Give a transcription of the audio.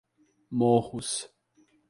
Morros